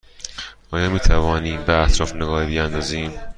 آیا می توانیم به اطراف نگاهی بیاندازیم؟